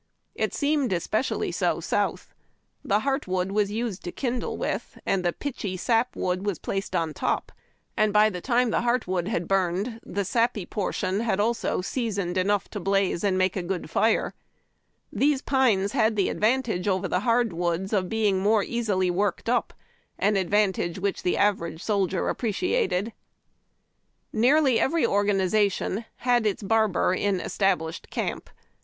It seemed especially so South. Tlie heart wood was used to kindle with, and the pitchy sap wood placed on top, and by the time the heart wood had burned the sappy portion had also seasoned enough to blaze and make a good fire. These })ines had 88 HABD TACK AND COFFEE. the advantage over tlie hard woods of beinc^ more easily worked up •— an advantage which the average soldier appreciated. Nearly every organization had its barber in established camp.